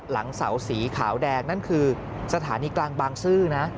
หลังเสาสีขาวแดงนั่นคือสถานีกลางบางซื่อนะ